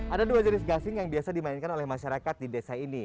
ada dua jenis gasing yang biasa dimainkan oleh masyarakat di desa ini